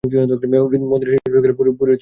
মন্দিরের সামনে পৌঁছলে পুরোহিত সম্মুখে এসে দাঁড়ায়।